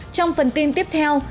trong phần tin tiếp theo